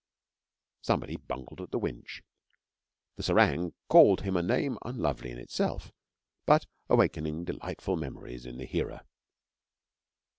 Somebody bungled at the winch. The serang called him a name unlovely in itself but awakening delightful memories in the hearer.